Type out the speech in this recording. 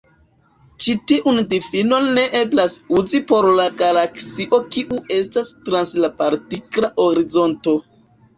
Ĉi tiun difinon ne eblas uzi por galaksio kiu estas trans la partikla horizonto.